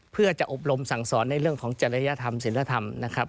เพื่อจะอบรมสั่งสอนในเรื่องของจริยธรรมศิลธรรมนะครับ